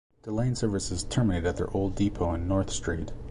Delaine services terminate at their old depot in "North Street".